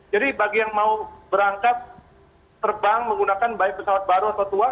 jadi bagi yang mau berangkat terbang menggunakan baik pesawat baru atau tua